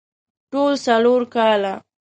ټول څلور کاله